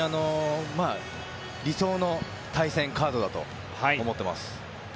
理想の対戦カードだと思ってます。